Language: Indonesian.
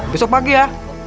besok pagi ya